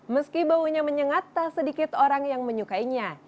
meski baunya menyengat tak sedikit orang yang menyukainya